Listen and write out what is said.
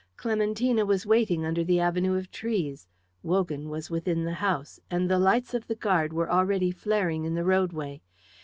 Clementina was waiting under the avenue of trees; Wogan was within the house, and the lights of the guard were already flaring in the roadway.